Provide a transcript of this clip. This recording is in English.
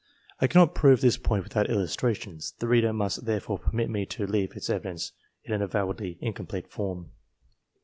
I cannot prove this point without illustrations ; the reader must therefore permit me to leave its evidence in an avowedly incomplete form.